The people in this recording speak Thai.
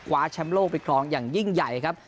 แชมป์โลกไปครองอย่างยิ่งใหญ่ครับ